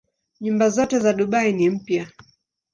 Nyumba zote za Dubai ni mpya.